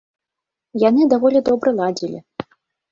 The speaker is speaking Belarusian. Яны даволі добра ладзілі.